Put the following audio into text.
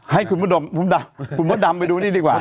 ให้คุณหมดดำไปดูนี่ดีกว่า